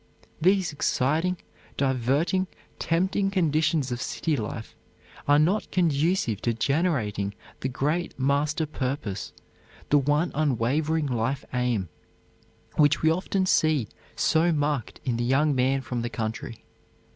These exciting, diverting, tempting conditions of city life are not conducive to generating the great master purpose, the one unwavering life aim, which we often see so marked in the young man from the country.